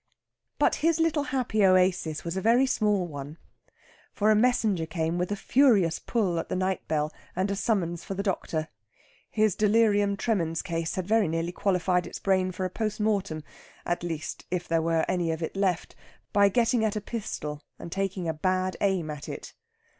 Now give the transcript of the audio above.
But his little happy oasis was a very small one. For a messenger came with a furious pull at the night bell and a summons for the doctor. His delirium tremens case had very nearly qualified its brain for a P.M. at least, if there were any of it left by getting at a pistol and taking a bad aim at it.